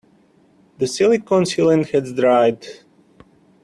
The silicon sealant has dried.